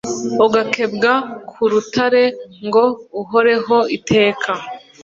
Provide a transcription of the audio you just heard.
agakebwa ku rutare ngo ahoreho iteka